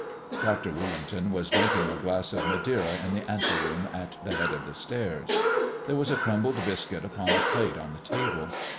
Dr. Willington was drinking a glass of Maderia in the anteroom at the head of the stairs. There was a crumbled biscuit upon a plate on the table.